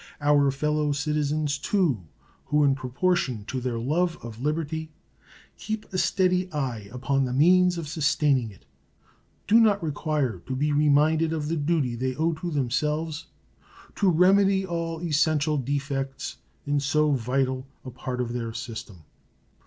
Our fellow citizens, too, who in proportion to their love of liberty keep a steady eye upon the means of sustaining it, do not require to be reminded of the duty they owe to themselves to remedy all essential defects in so vital a part of their system.